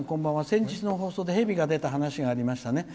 先日の放送で蛇が出た話がありましたね。